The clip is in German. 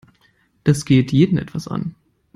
Das geht jeden etwas an.